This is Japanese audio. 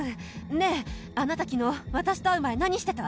ねえあなた昨日私と会う前何してた？